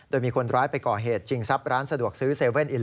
โดยมีคนร้ายไปก่อเหตุชิงทรัพย์ร้านสะดวกซื้อ๗๑๑